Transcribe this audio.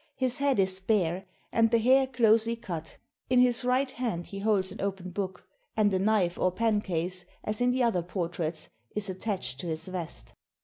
His head is bare, and the hair closely cut. In his right hand he holds an open book; and a knife or pencase, as in the other portraits, is attached to his vest."